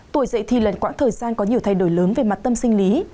tuổi dậy thì lần quãng thời gian có nhiều thay đổi lớn về mặt tâm sinh lý